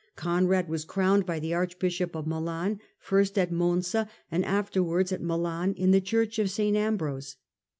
Conrad was crowned by the archbishop of Milan, first at Monza, and afterwards at Milan in the church of St, Ambrose.